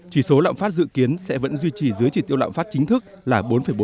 chỉ số lạm phát dự kiến sẽ vẫn duy trì dưới chỉ tiêu lạm phát chính thức là bốn bốn